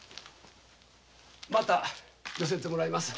また寄せてもらいます。